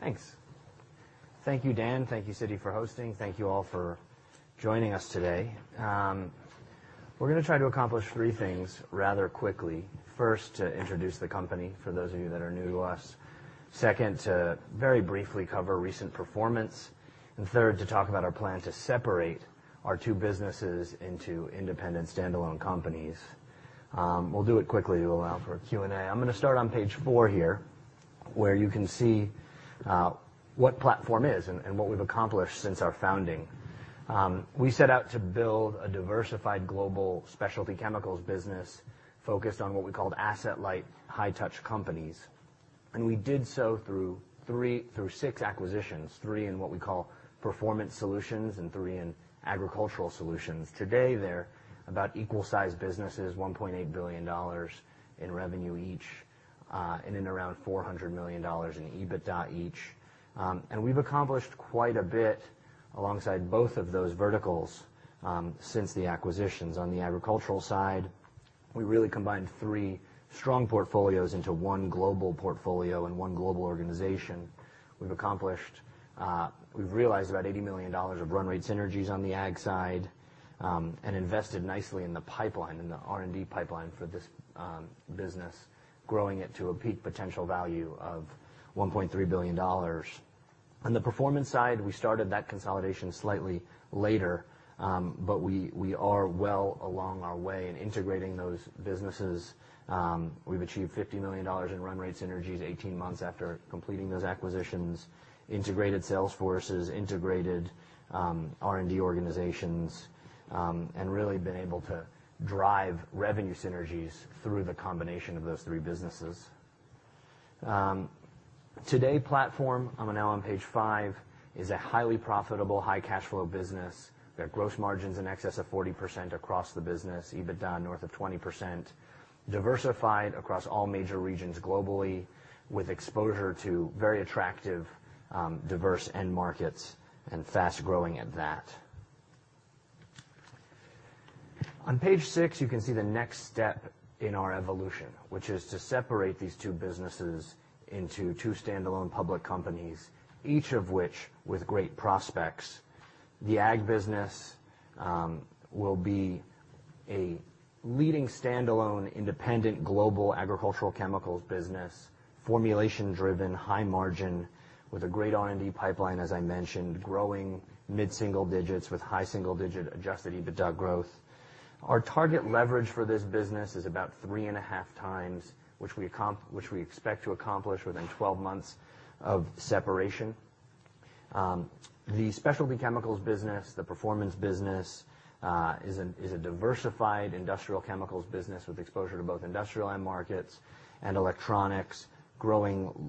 Thanks. Thank you, Dan. Thank you, Citi, for hosting. Thank you all for joining us today. We're going to try to accomplish three things rather quickly. First, to introduce the company for those of you that are new to us. Second, to very briefly cover recent performance. Third, to talk about our plan to separate our two businesses into independent standalone companies. We'll do it quickly to allow for a Q&A. I'm going to start on page four here, where you can see what Platform is and what we've accomplished since our founding. We set out to build a diversified global specialty chemicals business focused on what we called asset light, high touch companies. We did so through six acquisitions, three in what we call Performance Solutions and three in Agricultural Solutions. Today, they're about equal-sized businesses, $1.8 billion in revenue each, and around $400 million in EBITDA each. We've accomplished quite a bit alongside both of those verticals since the acquisitions. On the agricultural side, we really combined three strong portfolios into one global portfolio and one global organization. We've realized about $80 million of run rate synergies on the ag side, and invested nicely in the R&D pipeline for this business, growing it to a peak potential value of $1.3 billion. On the performance side, we started that consolidation slightly later, but we are well along our way in integrating those businesses. We've achieved $50 million in run rate synergies 18 months after completing those acquisitions, integrated sales forces, integrated R&D organizations, and really been able to drive revenue synergies through the combination of those three businesses. Today, Platform, I'm now on page five, is a highly profitable, high cash flow business. We have gross margins in excess of 40% across the business, EBITDA north of 20%, diversified across all major regions globally with exposure to very attractive, diverse end markets, and fast-growing at that. On page six, you can see the next step in our evolution, which is to separate these two businesses into two standalone public companies, each of which with great prospects. The ag business will be a leading standalone independent global Agricultural Solutions business, formulation-driven, high margin, with a great R&D pipeline, as I mentioned, growing mid-single digits with high single-digit adjusted EBITDA growth. Our target leverage for this business is about three and a half times, which we expect to accomplish within 12 months of separation. The specialty chemicals business, the Performance business, is a diversified industrial chemicals business with exposure to both industrial end markets and electronics, growing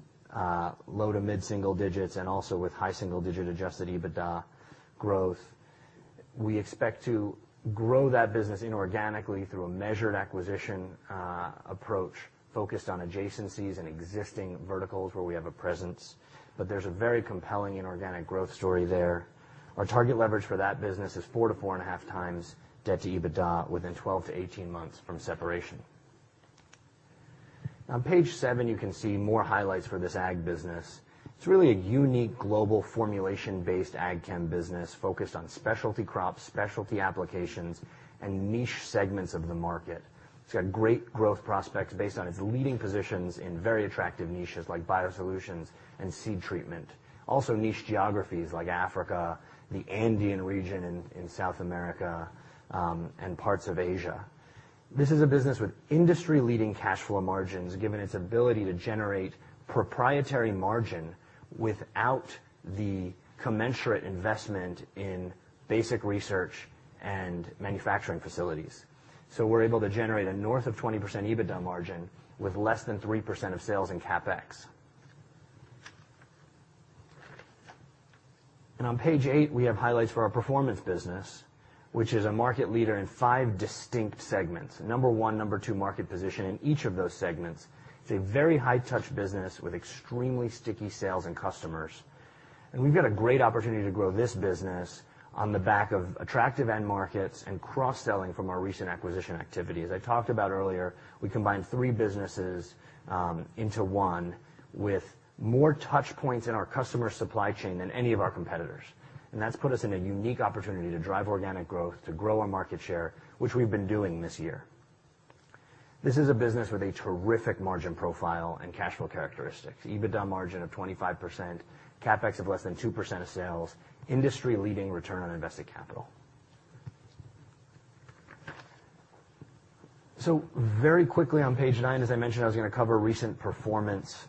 low to mid-single digits, and also with high single-digit adjusted EBITDA growth. We expect to grow that business inorganically through a measured acquisition approach focused on adjacencies and existing verticals where we have a presence. There's a very compelling inorganic growth story there. Our target leverage for that business is four to four and a half times debt to EBITDA within 12 to 18 months from separation. On page seven, you can see more highlights for this ag business. It's really a unique global formulation-based ag chem business focused on specialty crops, specialty applications, and niche segments of the market. It's got great growth prospects based on its leading positions in very attractive niches like biosolutions and seed treatment. Also niche geographies like Africa, the Andean region in South America, and parts of Asia. This is a business with industry-leading cash flow margins, given its ability to generate proprietary margin without the commensurate investment in basic research and manufacturing facilities. We're able to generate a north of 20% EBITDA margin with less than 3% of sales in CapEx. On page eight, we have highlights for our performance business, which is a market leader in 5 distinct segments. Number 1, number 2 market position in each of those segments. It's a very high touch business with extremely sticky sales and customers. We've got a great opportunity to grow this business on the back of attractive end markets and cross-selling from our recent acquisition activities. I talked about earlier, we combined three businesses into one with more touch points in our customer supply chain than any of our competitors. That's put us in a unique opportunity to drive organic growth, to grow our market share, which we've been doing this year. This is a business with a terrific margin profile and cash flow characteristics. EBITDA margin of 25%, CapEx of less than 2% of sales, industry-leading return on invested capital. Very quickly on page nine, as I mentioned, I was going to cover recent performance.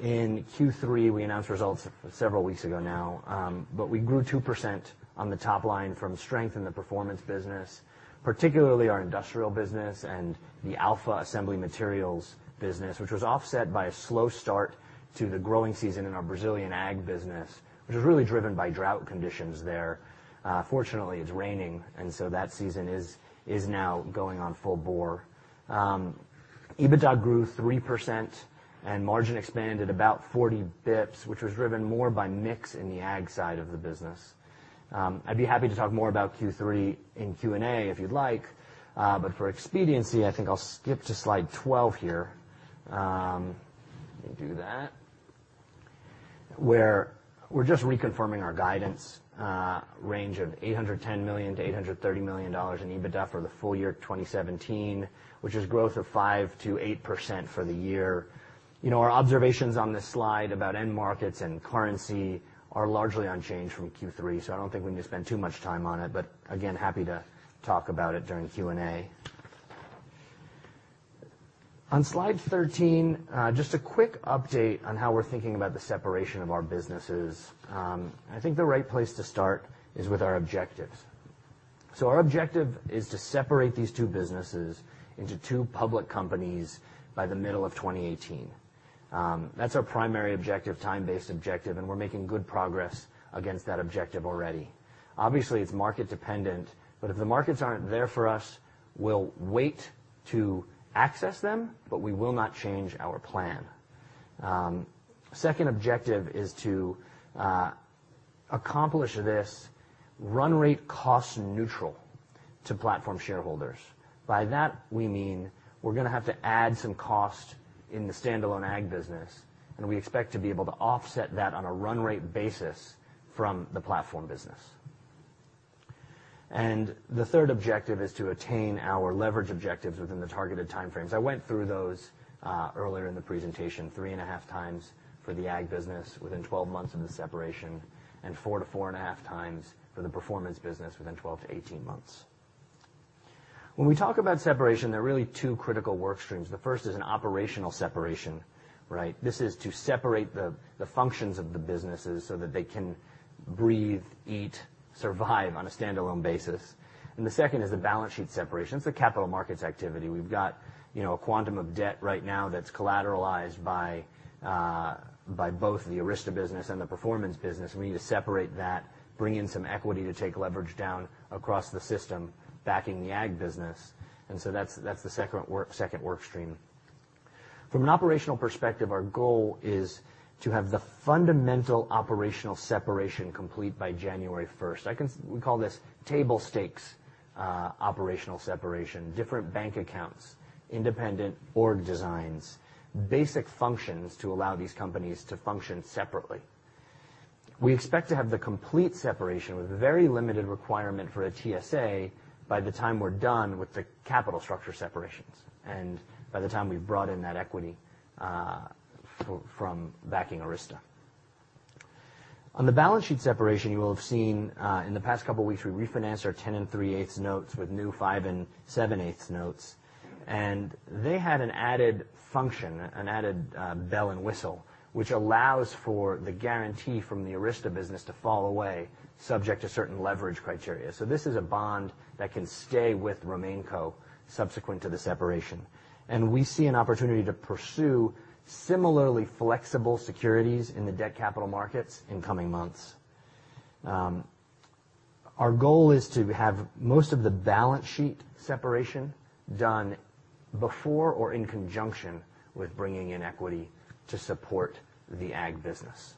In Q3, we announced results several weeks ago now, but we grew 2% on the top line from strength in the performance business, particularly our industrial business and the Alpha Assembly Solutions business, which was offset by a slow start to the growing season in our Brazilian Ag business, which was really driven by drought conditions there. Fortunately, it's raining, that season is now going on full bore. EBITDA grew 3% and margin expanded about 40 basis points, which was driven more by mix in the Ag side of the business. I'd be happy to talk more about Q3 in Q&A if you'd like. For expediency, I think I'll skip to slide 12 here. Let me do that, where we're just reconfirming our guidance range of $810 million-$830 million in EBITDA for the full year 2017, which is growth of 5%-8% for the year. Our observations on this slide about end markets and currency are largely unchanged from Q3. I don't think we need to spend too much time on it. Again, happy to talk about it during Q&A. On slide 13, just a quick update on how we're thinking about the separation of our businesses. I think the right place to start is with our objectives. Our objective is to separate these two businesses into two public companies by the middle of 2018. That's our primary objective, time-based objective. We're making good progress against that objective already. Obviously, it's market dependent. If the markets aren't there for us, we'll wait to access them, but we will not change our plan. Second objective is to accomplish this run rate cost neutral to Platform shareholders. By that, we mean we're going to have to add some cost in the standalone Ag business. We expect to be able to offset that on a run rate basis from the Platform business. The third objective is to attain our leverage objectives within the targeted time frames. I went through those earlier in the presentation, three and a half times for the ag business within 12 months of the separation, and four to four and a half times for the performance business within 12 to 18 months. When we talk about separation, there are really two critical work streams. The first is an operational separation. This is to separate the functions of the businesses so that they can breathe, eat, survive on a standalone basis. The second is the balance sheet separation. It's a capital markets activity. We've got a quantum of debt right now that's collateralized by both the Arysta business and the performance business. We need to separate that, bring in some equity to take leverage down across the system backing the ag business, that's the second work stream. From an operational perspective, our goal is to have the fundamental operational separation complete by January 1st. We call this table stakes operational separation, different bank accounts, independent org designs, basic functions to allow these companies to function separately. We expect to have the complete separation with very limited requirement for a TSA by the time we're done with the capital structure separations, and by the time we've brought in that equity from backing Arysta. On the balance sheet separation, you will have seen in the past couple of weeks, we refinanced our 10 3/8% notes with new 5 7/8% notes. They had an added function, an added bell and whistle, which allows for the guarantee from the Arysta business to fall away subject to certain leverage criteria. This is a bond that can stay with RemainCo subsequent to the separation, we see an opportunity to pursue similarly flexible securities in the debt capital markets in coming months. Our goal is to have most of the balance sheet separation done before or in conjunction with bringing in equity to support the ag business.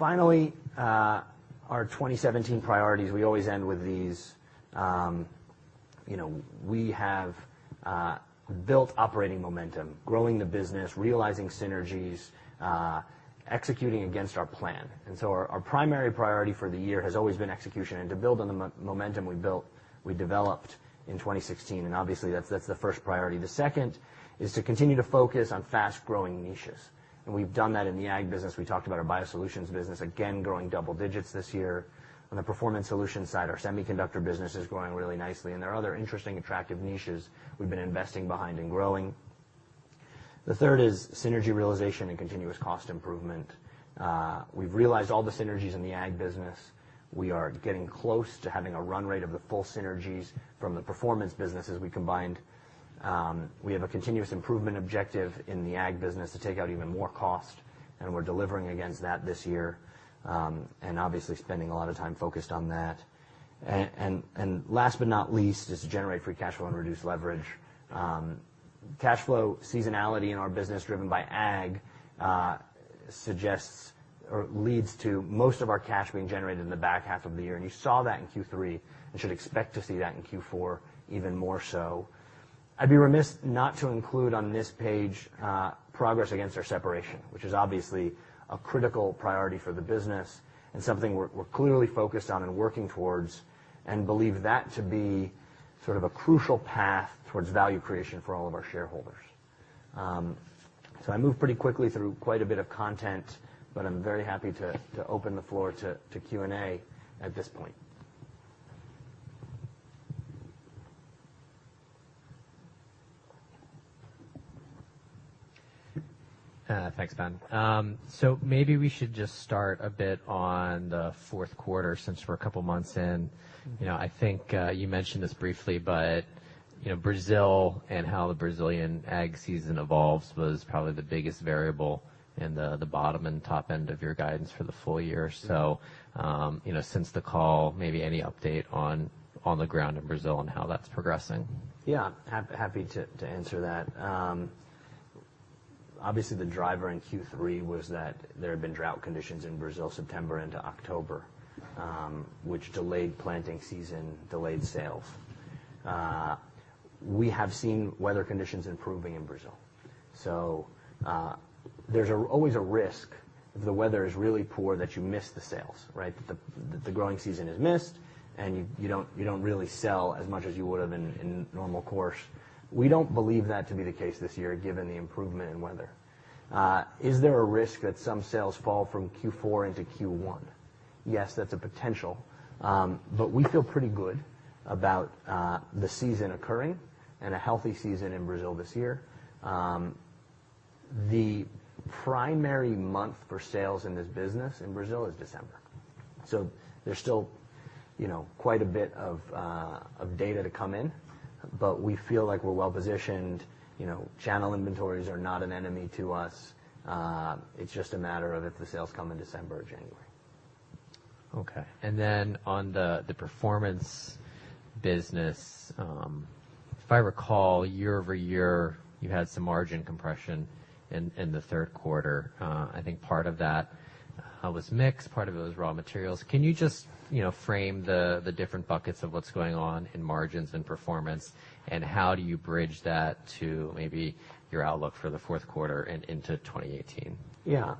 Finally, our 2017 priorities, we always end with these. We have built operating momentum, growing the business, realizing synergies, executing against our plan. Our primary priority for the year has always been execution and to build on the momentum we built, we developed in 2016, obviously that's the first priority. The second is to continue to focus on fast-growing niches, we've done that in the ag business. We talked about our biosolutions business, again growing double digits this year. On the Performance Solutions side, our semiconductor business is growing really nicely, there are other interesting, attractive niches we've been investing behind and growing. The third is synergy realization and continuous cost improvement. We've realized all the synergies in the ag business. We are getting close to having a run rate of the full synergies from the Performance Solutions businesses we combined. We have a continuous improvement objective in the ag business to take out even more cost, we're delivering against that this year, obviously spending a lot of time focused on that. Last but not least, is to generate free cash flow and reduce leverage. Cash flow seasonality in our business driven by ag leads to most of our cash being generated in the back half of the year, you saw that in Q3, and should expect to see that in Q4 even more so. I'd be remiss not to include on this page progress against our separation, which is obviously a critical priority for the business and something we're clearly focused on and working towards, and believe that to be sort of a crucial path towards value creation for all of our shareholders. I moved pretty quickly through quite a bit of content, but I'm very happy to open the floor to Q&A at this point. Thanks, Ben. Maybe we should just start a bit on the fourth quarter since we're a couple of months in. I think you mentioned this briefly, but Brazil and how the Brazilian ag season evolves was probably the biggest variable in the bottom and top end of your guidance for the full year. Since the call, maybe any update on the ground in Brazil and how that's progressing? Yeah. Happy to answer that. Obviously, the driver in Q3 was that there had been drought conditions in Brazil, September into October, which delayed planting season, delayed sales. We have seen weather conditions improving in Brazil. There's always a risk if the weather is really poor, that you miss the sales, right? That the growing season is missed, and you don't really sell as much as you would've in normal course. We don't believe that to be the case this year, given the improvement in weather. Is there a risk that some sales fall from Q4 into Q1? Yes, that's a potential. We feel pretty good about the season occurring and a healthy season in Brazil this year. The primary month for sales in this business in Brazil is December. There's still quite a bit of data to come in, but we feel like we're well-positioned. Channel inventories are not an enemy to us. It's just a matter of if the sales come in December or January. Okay. On the Performance Solutions business. If I recall, year-over-year, you had some margin compression in the third quarter. I think part of that was mix, part of it was raw materials. Can you just frame the different buckets of what's going on in margins and Performance Solutions, and how do you bridge that to maybe your outlook for the fourth quarter and into 2018? Yeah.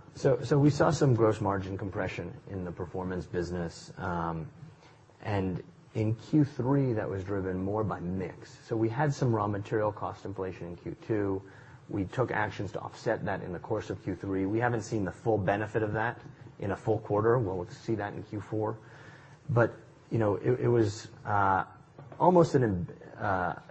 We saw some gross margin compression in the Performance Solutions business. In Q3, that was driven more by mix. We had some raw material cost inflation in Q2. We took actions to offset that in the course of Q3. We haven't seen the full benefit of that in a full quarter. We'll see that in Q4. It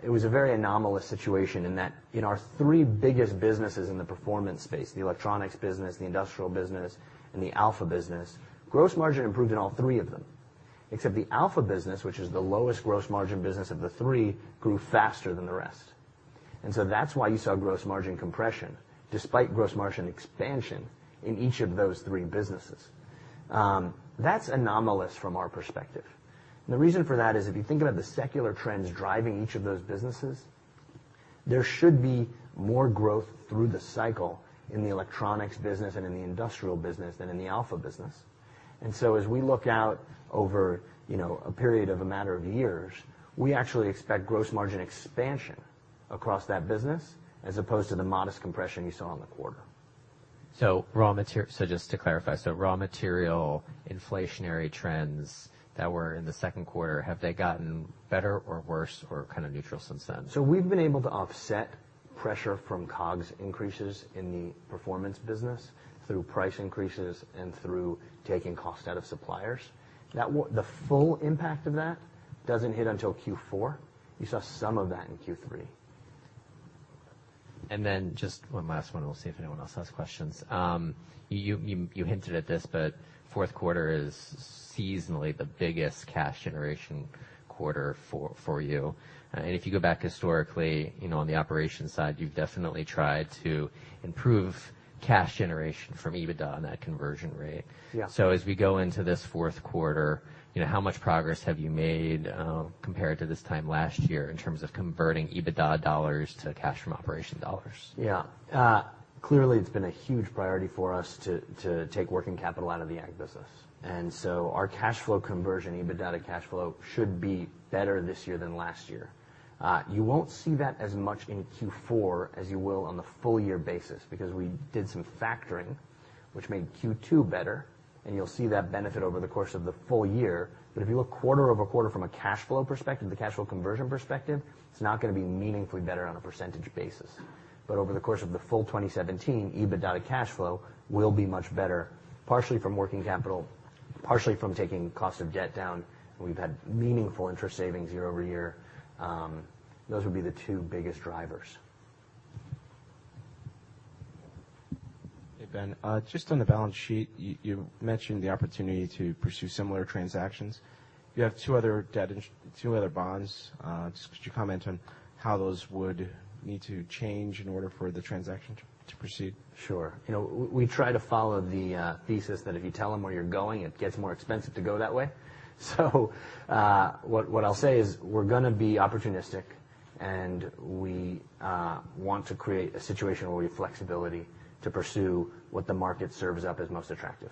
was a very anomalous situation in that in our three biggest businesses in the Performance Solutions space, the electronics business, the industrial business, and the Alpha business, gross margin improved in all three of them. Except the Alpha business, which is the lowest gross margin business of the three, grew faster than the rest. That's why you saw gross margin compression despite gross margin expansion in each of those three businesses. That's anomalous from our perspective. The reason for that is if you think about the secular trends driving each of those businesses, there should be more growth through the cycle in the electronics business and in the industrial business than in the Alpha business. As we look out over a period of a matter of years, we actually expect gross margin expansion across that business as opposed to the modest compression you saw in the quarter. Just to clarify, raw material inflationary trends that were in the second quarter, have they gotten better or worse or kind of neutral since then? We've been able to offset pressure from COGS increases in the performance business through price increases and through taking cost out of suppliers. The full impact of that doesn't hit until Q4. You saw some of that in Q3. Just one last one, and we'll see if anyone else has questions. You hinted at this, fourth quarter is seasonally the biggest cash generation quarter for you. If you go back historically on the operations side, you've definitely tried to improve cash generation from EBITDA on that conversion rate. Yeah. As we go into this fourth quarter, how much progress have you made compared to this time last year in terms of converting EBITDA dollars to cash from operations dollars? Yeah. Clearly, it's been a huge priority for us to take working capital out of the ag business. Our cash flow conversion, EBITDA to cash flow, should be better this year than last year. You won't see that as much in Q4 as you will on the full year basis because we did some factoring, which made Q2 better, and you'll see that benefit over the course of the full year. If you look quarter-over-quarter from a cash flow perspective, the cash flow conversion perspective, it's not going to be meaningfully better on a percentage basis. Over the course of the full 2017, EBITDA to cash flow will be much better, partially from working capital, partially from taking cost of debt down. We've had meaningful interest savings year-over-year. Those would be the two biggest drivers. Hey, Ben. Just on the balance sheet, you mentioned the opportunity to pursue similar transactions. You have two other bonds. Just could you comment on how those would need to change in order for the transaction to proceed? Sure. We try to follow the thesis that if you tell them where you're going, it gets more expensive to go that way. What I'll say is we're going to be opportunistic, and we want to create a situation where we have flexibility to pursue what the market serves up as most attractive.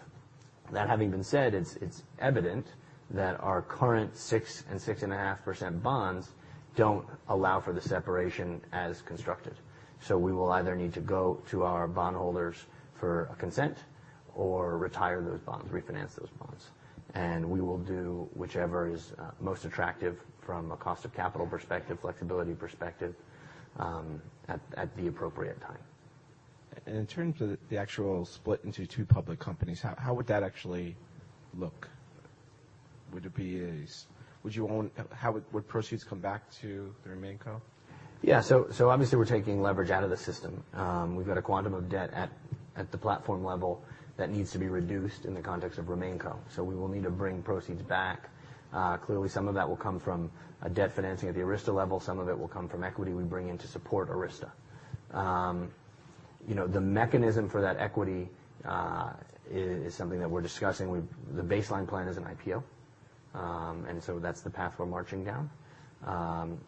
That having been said, it's evident that our current 6% and 6.5% bonds don't allow for the separation as constructed. We will either need to go to our bondholders for a consent or retire those bonds, refinance those bonds. We will do whichever is most attractive from a cost of capital perspective, flexibility perspective, at the appropriate time. In terms of the actual split into two public companies, how would that actually look? Would proceeds come back to the RemainCo? Yeah. Obviously, we're taking leverage out of the system. We've got a quantum of debt at the platform level that needs to be reduced in the context of RemainCo. We will need to bring proceeds back. Clearly, some of that will come from a debt financing at the Arysta level. Some of it will come from equity we bring in to support Arysta. The mechanism for that equity is something that we're discussing. The baseline plan is an IPO. That's the path we're marching down.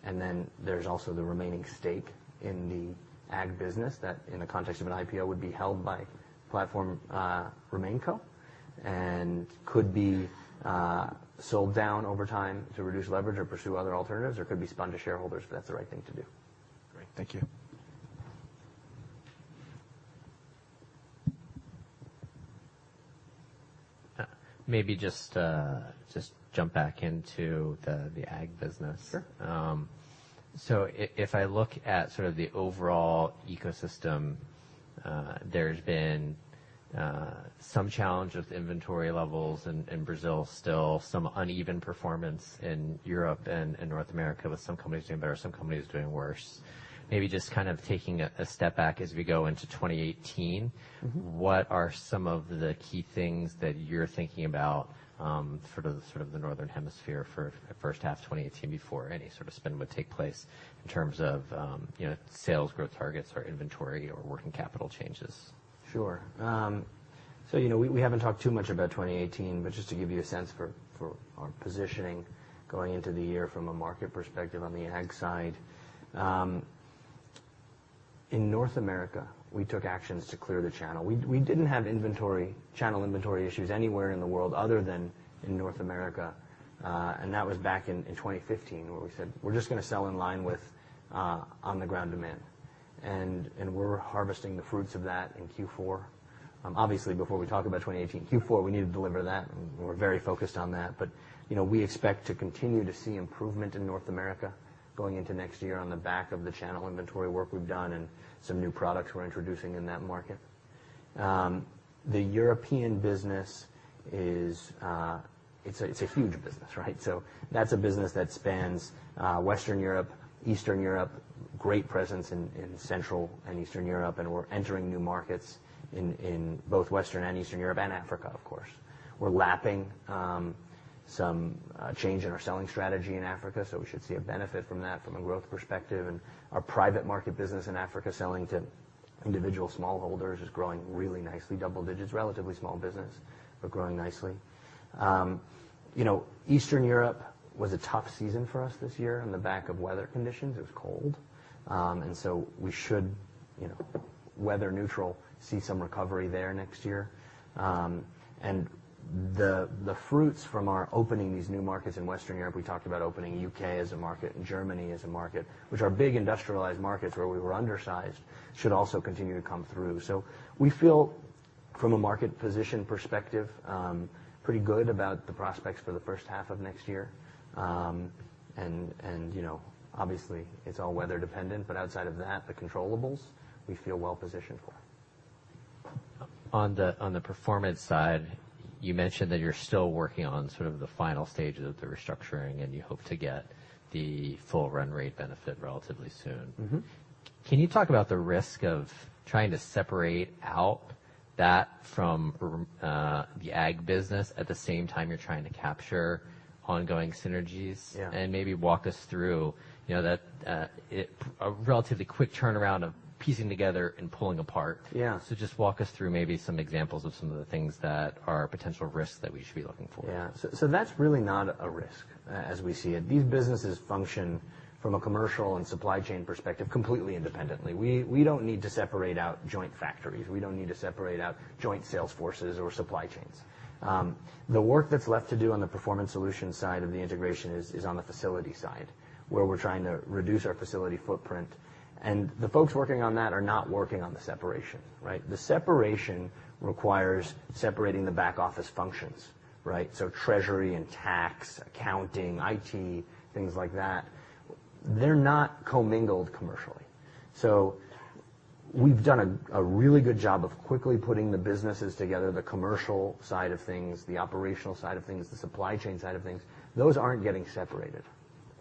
Then there's also the remaining stake in the ag business that, in the context of an IPO, would be held by Platform RemainCo and could be sold down over time to reduce leverage or pursue other alternatives, or could be spun to shareholders if that's the right thing to do. Great. Thank you. Maybe just jump back into the ag business. Sure. If I look at sort of the overall ecosystem, there's been some challenge with inventory levels in Brazil, still some uneven performance in Europe and in North America, with some companies doing better, some companies doing worse. Maybe just kind of taking a step back as we go into 2018. What are some of the key things that you're thinking about for sort of the Northern Hemisphere for the first half of 2018 before any sort of spend would take place in terms of sales growth targets or inventory or working capital changes? Sure. We haven't talked too much about 2018, but just to give you a sense for our positioning going into the year from a market perspective on the ag side. In North America, we took actions to clear the channel. We didn't have channel inventory issues anywhere in the world other than in North America. That was back in 2015, where we said we're just going to sell in line with on-the-ground demand. We're harvesting the fruits of that in Q4. Obviously, before we talk about 2018 Q4, we need to deliver that, and we're very focused on that. We expect to continue to see improvement in North America going into next year on the back of the channel inventory work we've done and some new products we're introducing in that market. The European business is a huge business, right? That's a business that spans Western Europe, Eastern Europe, great presence in Central and Eastern Europe, and we're entering new markets in both Western and Eastern Europe and Africa of course. We're lapping some change in our selling strategy in Africa, so we should see a benefit from that from a growth perspective. Our private market business in Africa, selling to individual smallholders, is growing really nicely, double digits, relatively small business, but growing nicely. Eastern Europe was a tough season for us this year on the back of weather conditions. It was cold. We should, weather neutral, see some recovery there next year. The fruits from our opening these new markets in Western Europe, we talked about opening U.K. as a market and Germany as a market, which are big industrialized markets where we were undersized, should also continue to come through. We feel, from a market position perspective, pretty good about the prospects for the first half of next year. Obviously, it's all weather dependent, but outside of that, the controllables, we feel well positioned for. On the performance side, you mentioned that you're still working on sort of the final stages of the restructuring, and you hope to get the full run rate benefit relatively soon. Can you talk about the risk of trying to separate out that from the ag business at the same time you're trying to capture ongoing synergies? Yeah. Maybe walk us through a relatively quick turnaround of piecing together and pulling apart. Yeah. Just walk us through maybe some examples of some of the things that are potential risks that we should be looking for. Yeah. That's really not a risk as we see it. These businesses function from a commercial and supply chain perspective completely independently. We don't need to separate out joint factories. We don't need to separate out joint sales forces or supply chains. The work that's left to do on the Performance Solutions side of the integration is on the facility side, where we're trying to reduce our facility footprint. The folks working on that are not working on the separation, right? The separation requires separating the back office functions, right? Treasury and tax, accounting, IT, things like that. They're not commingled commercially. We've done a really good job of quickly putting the businesses together, the commercial side of things, the operational side of things, the supply chain side of things. Those aren't getting separated.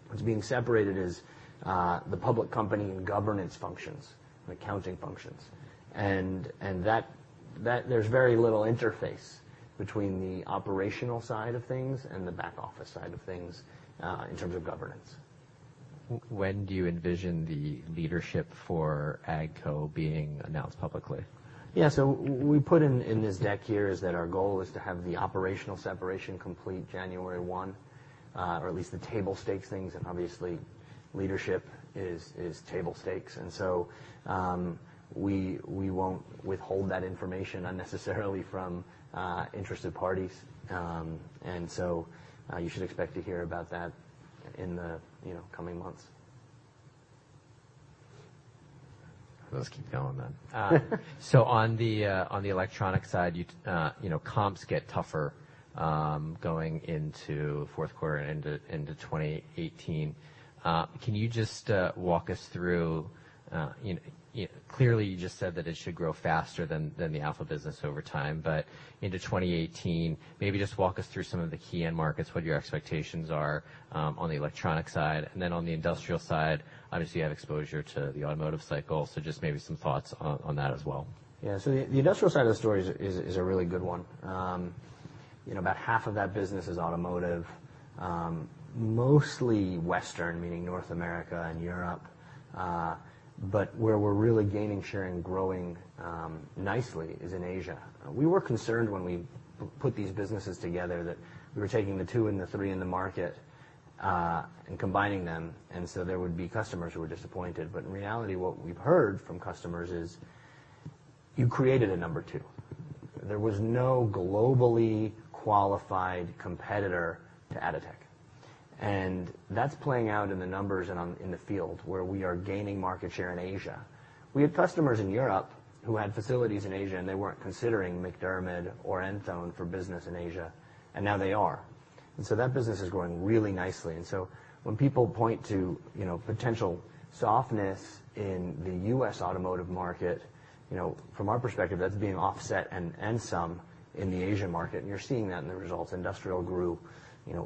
What's being separated is the public company and governance functions and accounting functions. There's very little interface between the operational side of things and the back office side of things in terms of governance. When do you envision the leadership for AgCo being announced publicly? We put in this deck here is that our goal is to have the operational separation complete January 1, or at least the table stakes things, obviously leadership is table stakes. We won't withhold that information unnecessarily from interested parties. You should expect to hear about that in the coming months. Let's keep going then. On the electronic side, comps get tougher going into fourth quarter and into 2018. Can you just walk us through, clearly you just said that it should grow faster than the Alpha business over time, but into 2018, maybe just walk us through some of the key end markets, what your expectations are on the electronic side. Then on the industrial side, obviously you have exposure to the automotive cycle, so just maybe some thoughts on that as well. Yeah. The industrial side of the story is a really good one. About half of that business is automotive, mostly Western, meaning North America and Europe. Where we're really gaining share and growing nicely is in Asia. We were concerned when we put these businesses together that we were taking the two and the three in the market and combining them, there would be customers who were disappointed. In reality, what we've heard from customers is, "You created a number 2." There was no globally qualified competitor to Atotech. That's playing out in the numbers and in the field where we are gaining market share in Asia. We had customers in Europe who had facilities in Asia, and they weren't considering MacDermid or Enthone for business in Asia, and now they are. That business is growing really nicely. When people point to potential softness in the U.S. automotive market, from our perspective, that's being offset and some in the Asian market, and you're seeing that in the results. Industrial grew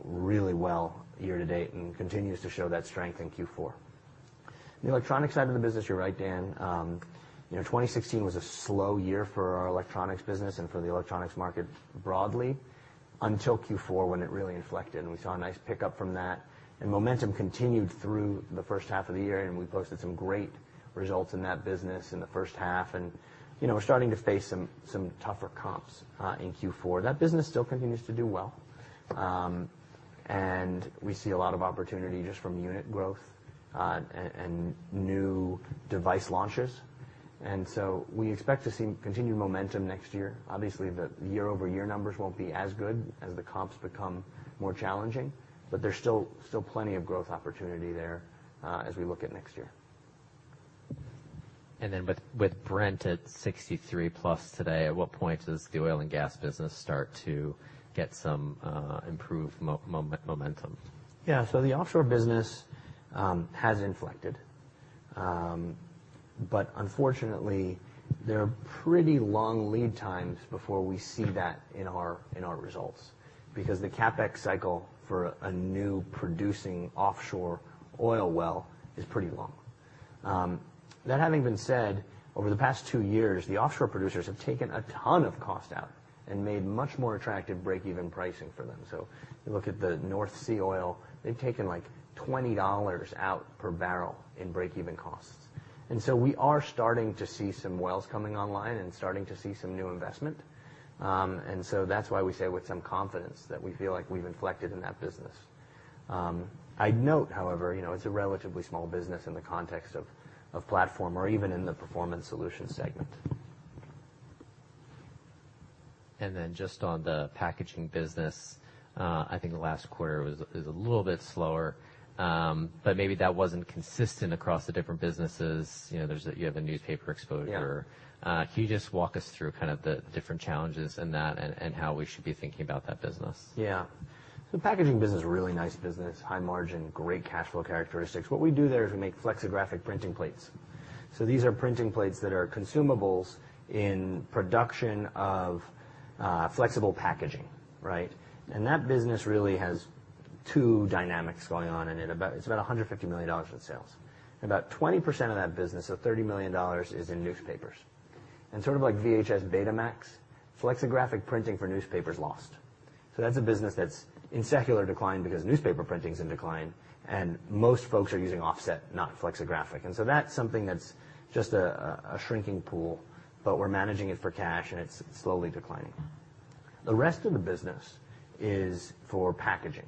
really well year-to-date and continues to show that strength in Q4. The electronics side of the business, you're right, Dan. 2016 was a slow year for our electronics business and for the electronics market broadly, until Q4, when it really inflected, and we saw a nice pickup from that. Momentum continued through the first half of the year, and we posted some great results in that business in the first half, and we're starting to face some tougher comps in Q4. That business still continues to do well. We see a lot of opportunity just from unit growth and new device launches. We expect to see continued momentum next year. Obviously, the year-over-year numbers won't be as good as the comps become more challenging, there's still plenty of growth opportunity there as we look at next year. With Brent at $63 plus today, at what point does the oil and gas business start to get some improved momentum? Yeah. The offshore business has inflected. Unfortunately, there are pretty long lead times before we see that in our results, because the CapEx cycle for a new producing offshore oil well is pretty long. That having been said, over the past two years, the offshore producers have taken a ton of cost out and made much more attractive breakeven pricing for them. You look at the North Sea oil, they've taken $20 out per barrel in breakeven costs. We are starting to see some wells coming online and starting to see some new investment. That's why we say with some confidence that we feel like we've inflected in that business. I'd note, however, it's a relatively small business in the context of Platform or even in the Performance Solutions segment. Just on the packaging business, I think the last quarter was a little bit slower, but maybe that wasn't consistent across the different businesses. You have a newspaper exposure. Yeah. Can you just walk us through kind of the different challenges in that, and how we should be thinking about that business? Yeah. The packaging business is a really nice business, high margin, great cash flow characteristics. What we do there is we make flexographic printing plates. These are printing plates that are consumables in production of flexible packaging. Right? That business really has two dynamics going on in it. It's about $150 million in sales. About 20% of that business, so $30 million, is in newspapers. Sort of like VHS, Betamax, flexographic printing for newspapers lost. That's a business that's in secular decline because newspaper printing's in decline, and most folks are using offset, not flexographic. That's something that's just a shrinking pool, but we're managing it for cash, and it's slowly declining. The rest of the business is for packaging,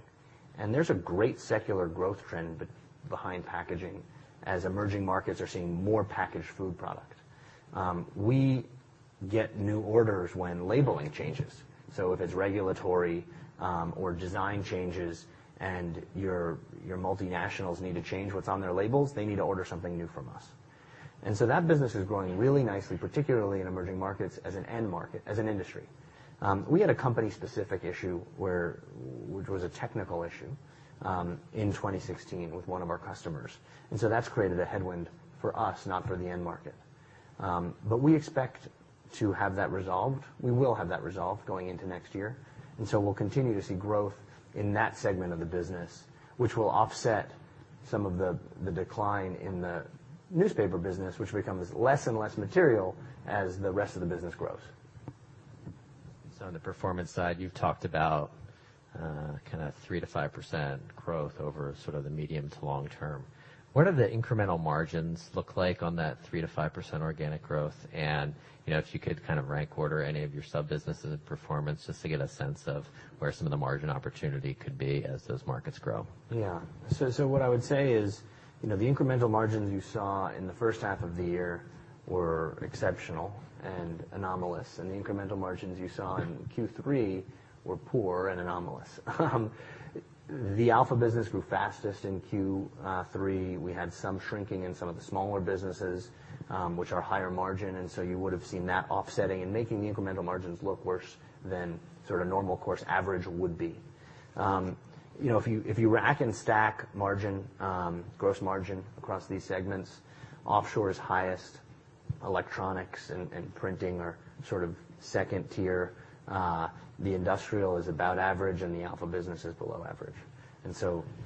and there's a great secular growth trend behind packaging as emerging markets are seeing more packaged food product. We get new orders when labeling changes. If it's regulatory or design changes, your multinationals need to change what's on their labels, they need to order something new from us. That business is growing really nicely, particularly in emerging markets as an end market, as an industry. We had a company-specific issue, which was a technical issue, in 2016 with one of our customers. That's created a headwind for us, not for the end market. We expect to have that resolved. We will have that resolved going into next year. We'll continue to see growth in that segment of the business, which will offset some of the decline in the newspaper business, which becomes less and less material as the rest of the business grows. On the Performance side, you've talked about kind of 3%-5% growth over sort of the medium to long term. What do the incremental margins look like on that 3%-5% organic growth? If you could kind of rank order any of your sub-businesses' performance, just to get a sense of where some of the margin opportunity could be as those markets grow. What I would say is, the incremental margins you saw in the first half of the year were exceptional and anomalous, the incremental margins you saw in Q3 were poor and anomalous. The Alpha business grew fastest in Q3. We had some shrinking in some of the smaller businesses, which are higher margin, you would have seen that offsetting and making the incremental margins look worse than sort of normal course average would be. If you rack and stack margin, gross margin across these segments, offshore is highest, electronics and printing are sort of second tier. The industrial is about average, the Alpha business is below average.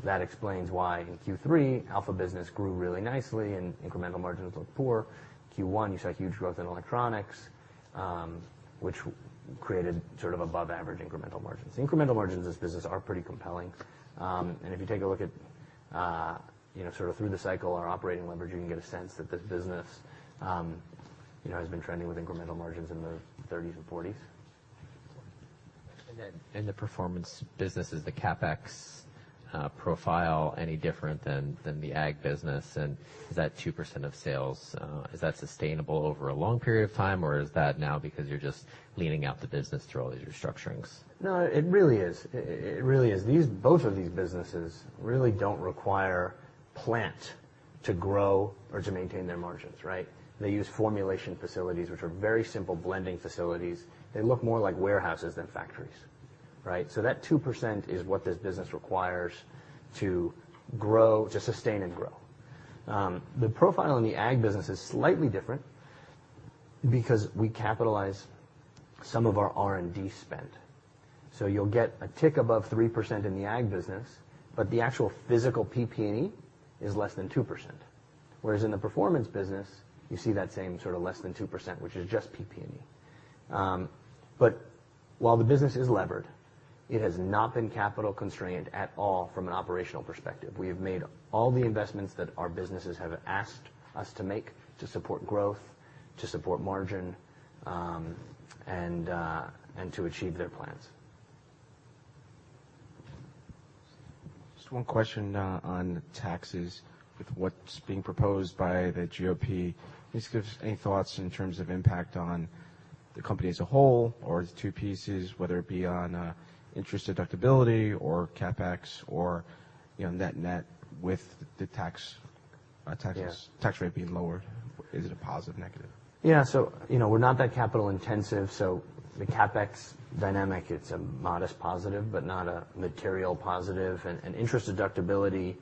That explains why in Q3, Alpha business grew really nicely and incremental margins looked poor. Q1, you saw huge growth in electronics, which created sort of above-average incremental margins. Incremental margins in this business are pretty compelling. If you take a look at sort of through the cycle, our operating leverage, you can get a sense that this business has been trending with incremental margins in the 30s and 40s. In the Performance business, is the CapEx profile any different than the Ag business, and is that 2% of sales, is that sustainable over a long period of time, or is that now because you're just leaning out the business through all these restructurings? No, it really is. Both of these businesses really don't require plant to grow or to maintain their margins, right? They use formulation facilities, which are very simple blending facilities. They look more like warehouses than factories, right? That 2% is what this business requires to sustain and grow. The profile in the Ag business is slightly different because we capitalize some of our R&D spend. You'll get a tick above 3% in the Ag business, but the actual physical PP&E is less than 2%. Whereas in the Performance business, you see that same sort of less than 2%, which is just PP&E. While the business is levered, it has not been capital constrained at all from an operational perspective. We have made all the investments that our businesses have asked us to make to support growth, to support margin, and to achieve their plans. Just one question on taxes. With what's being proposed by the GOP, just give any thoughts in terms of impact on the company as a whole or the two pieces, whether it be on interest deductibility or CapEx or net net with the tax rate being lowered. Is it a positive or negative? Yeah. We're not that capital intensive, the CapEx dynamic, it's a modest positive but not a material positive. Interest deductibility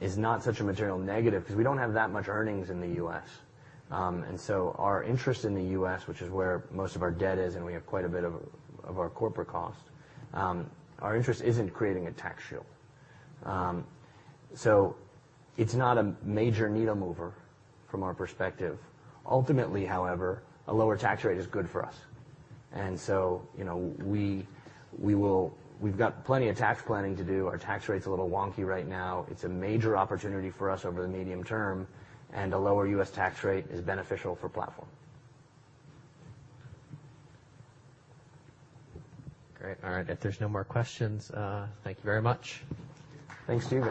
is not such a material negative because we don't have that much earnings in the U.S. Our interest in the U.S., which is where most of our debt is, and we have quite a bit of our corporate cost, our interest isn't creating a tax shield. It's not a major needle mover from our perspective. Ultimately, however, a lower tax rate is good for us. We've got plenty of tax planning to do. Our tax rate's a little wonky right now. It's a major opportunity for us over the medium term, and a lower U.S. tax rate is beneficial for Platform. Great. All right. If there's no more questions, thank you very much. Thanks to you.